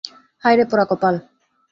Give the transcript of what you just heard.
হায়রে পোড়া কপাল।